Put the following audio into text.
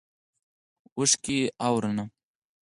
اوښکې اورونه